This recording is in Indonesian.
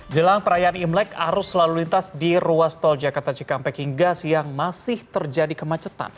jelang perayaan imlek arus lalu lintas di ruas tol jakarta cikampek hingga siang masih terjadi kemacetan